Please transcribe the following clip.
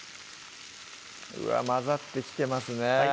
うわっ混ざってきてますね